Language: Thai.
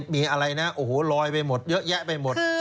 มีอะไรนะเยอะแยะไปหมด